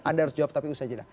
anda harus jawab tapi usah jelah